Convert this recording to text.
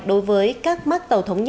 đối với các mắt tàu thống